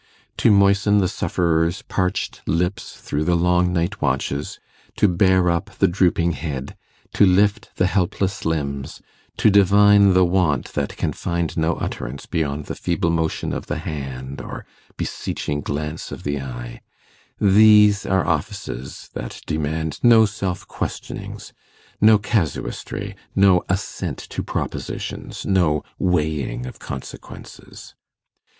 To moisten the sufferer's parched lips through the long night watches, to bear up the drooping head, to lift the helpless limbs, to divine the want that can find no utterance beyond the feeble motion of the hand or beseeching glance of the eye these are offices that demand no self questionings, no casuistry, no assent to propositions, no weighing of consequences.